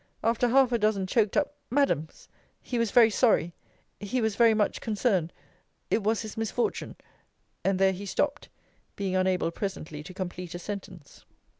After half a dozen choaked up Madams, he was very sorry he was very much concerned it was his misfortune and there he stopped, being unable presently to complete a sentence.